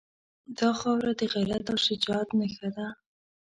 دا خاوره د غیرت او شجاعت نښه ده.